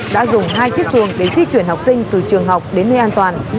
đã dùng hai chiếc xuồng để di chuyển học sinh từ trường học đến nơi an toàn